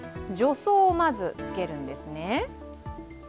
助走をまずつけるんですね。